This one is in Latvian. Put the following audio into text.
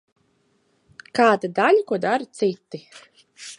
Kāda daļa ko dara citi.